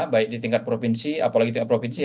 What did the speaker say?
baik di tingkat provinsi apalagi tingkat provinsi